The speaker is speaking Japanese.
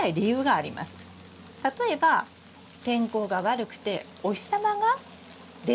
例えば天候が悪くてお日様が出ていない。